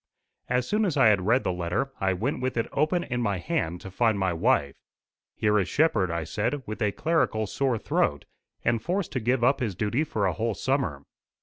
As soon as I had read the letter, I went with it open in my hand to find my wife. "Here is Shepherd," I said, "with a clerical sore throat, and forced to give up his duty for a whole summer.